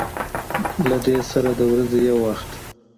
د دې سره د ورځې يو وخت